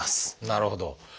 なるほど。